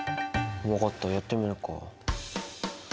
分かったやってみるか。